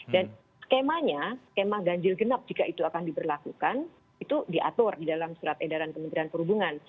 dan skemanya skema ganjil genap jika itu akan diberlakukan itu diatur di dalam surat edaran kementerian perhubungan